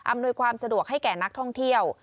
อำนวยความสะดวกให้แก่นักท่องเที่ยว